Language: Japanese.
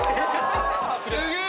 すげえ！